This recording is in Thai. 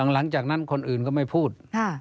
หลังจากนั้นคนอื่นก็ไม่พูด